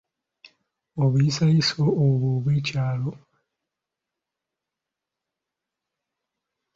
Obuyisayisa obwekyalo obwo yali abumanyi nnyo.